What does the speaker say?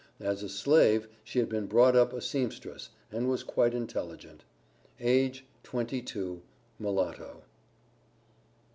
As a slave, she had been brought up a seamstress, and was quite intelligent. Age twenty two, mulatto.